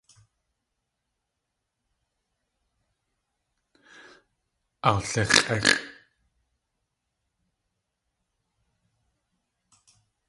Awlix̲ʼéx̲ʼ.